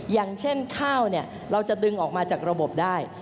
อย่างเช่นข้าวเราจะดึงออกมาจากระบบได้